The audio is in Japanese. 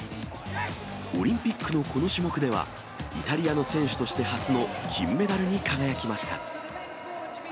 オリンピックのこの種目では、イタリアの選手として初の金メダルに輝きました。